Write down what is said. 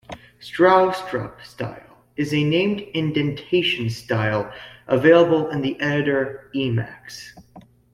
Stroustrup style is a named indentation style available in the editor Emacs.